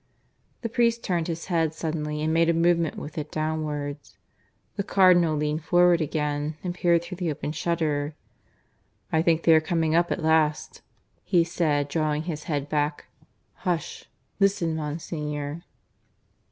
The priest turned his head suddenly and made a movement with it downwards. The Cardinal leaned forward again and peered through the open shutter. "I think they are coming up at last," he said, drawing his head back. "Hush! Listen, Monsignor."